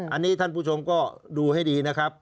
อันนี้ท่านผู้ชมก็ดูให้ดีนะครับ